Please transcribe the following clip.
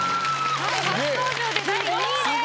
初登場で第２位です。